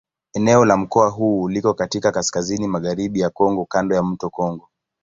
Eneo la mkoa huu liko katika kaskazini-magharibi ya Kongo kando ya mto Kongo.